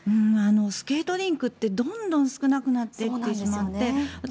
スケートリンクってどんどん少なくなってしまって私、